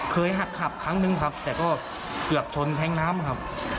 หักขับครั้งนึงครับแต่ก็เกือบชนแท้งน้ำครับ